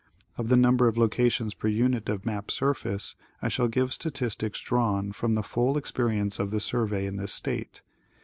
Of the number of locations per unit of maj) surface I shall give statistics drawn from the full experience of the Survey in this state.